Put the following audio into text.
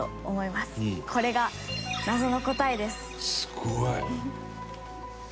すごい！